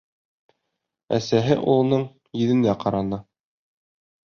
-Әсәһе улының йөҙөнә ҡараны.